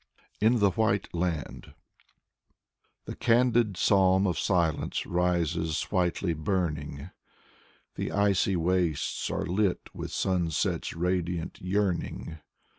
Konstantin Balmont 75 IN THE WHITE LAND The candid psalm of Silence rises whitely burning, The icy wastes are lit with sunset's radiant yearning.